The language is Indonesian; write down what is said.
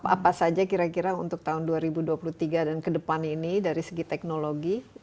apa saja kira kira untuk tahun dua ribu dua puluh tiga dan ke depan ini dari segi teknologi